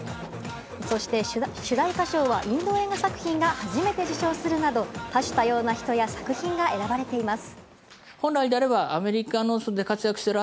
そして主題歌賞はインド映画作品が初めて受賞するなど多種多様な人や作品が選ばれています。